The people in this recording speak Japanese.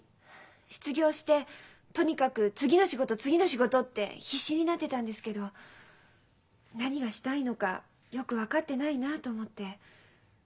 失業してとにかく次の仕事次の仕事って必死になってたんですけど何がしたいのかよく分かってないなと思って。